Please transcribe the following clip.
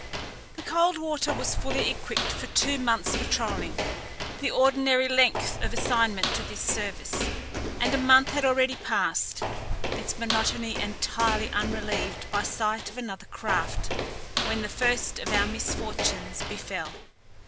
The Coldwater was fully equipped for two months' patrolling—the ordinary length of assignment to this service—and a month had already passed, its monotony entirely unrelieved by sight of another craft, when the first of our misfortunes befell.